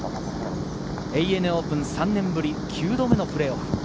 オープン３年ぶり、９度目のプレーオフ。